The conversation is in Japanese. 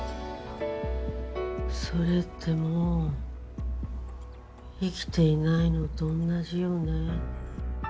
それってもう生きていないのと同じよね。